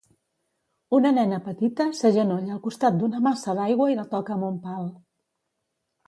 Una nena petita s'agenolla al costat d'una massa d'aigua i la toca amb un pal.